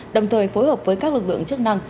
đồng thời phối hợp với các lực lượng chức năng